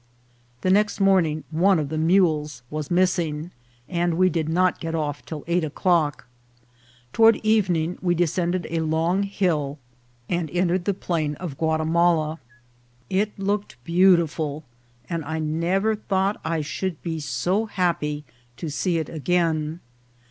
The next morning one of the mules was missing, and we did not get off till eight o'clock. Toward evening we descended a long hill, and entered the plain of VOL. II.— O INCIDENTS OF TRAVEL. Guatimala. It looked beautiful, and I never thought I should be so happy to see it again.